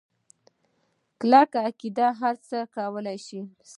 کلکه عقیده هرڅه کولی شي.